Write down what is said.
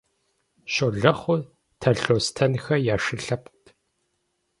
Щолэхъур Талъостэнхэ я шы лъэпкът.